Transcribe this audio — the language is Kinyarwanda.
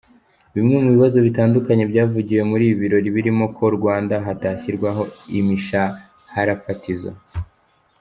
Bimwe mu bibazo bitandukanye byavugiwe muri ibi birori birimo ko mu Rwanda hadashyirwaho imishaharafatizo.